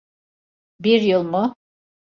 Bir yıl mı?